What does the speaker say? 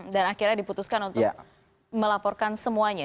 akhirnya diputuskan untuk melaporkan semuanya